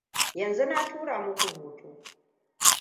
yanzu na tura maku hoto